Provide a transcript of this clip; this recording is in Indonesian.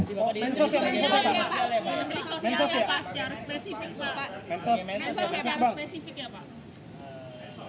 men sosial ya pak men sosial ya pak